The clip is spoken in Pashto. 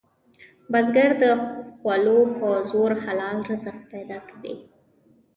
بزګر د خولو په زور حلال رزق پیدا کوي